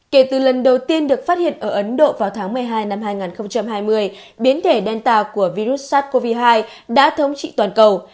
kể từ lần đầu tiên được phát hiện ở ấn độ vào tháng một mươi hai năm hai nghìn hai mươi biến thể danta của virus sars cov hai đã thống trị toàn cầu